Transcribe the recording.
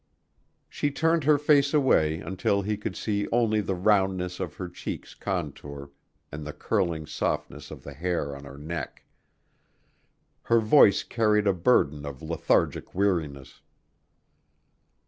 She turned her face away until he could see only the roundness of her check's contour and the curling softness of the hair on her neck. Her voice carried a burden of lethargic weariness.